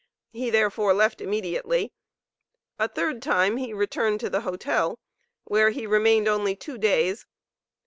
He, therefore, left immediately. A third time, he returned to the hotel, where he remained only two days.